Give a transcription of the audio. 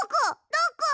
どこ！？